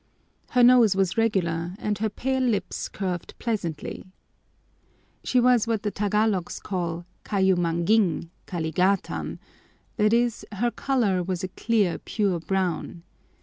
Her nose was regular and her pale lips curved pleasantly. She was what the Tagalogs call kayumanguing kaligátan; that is, her color was a clear, pure brown.